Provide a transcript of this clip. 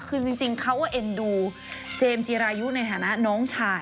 คือจริงเขาก็เอ็นดูเจมส์จีรายุในฐานะน้องชาย